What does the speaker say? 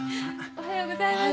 おはようございます。